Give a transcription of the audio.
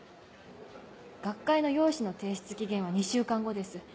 学会の要旨の提出期限は２週間後です。